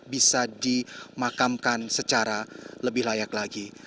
bisa dimakamkan secara lebih layak lagi